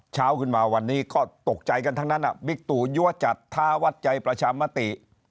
เช้าขึ้นมาวันนี้ก็ตกใจกันทั้งนั้นบิ๊กตู่ยั้วจัดท้าวัดใจประชามติ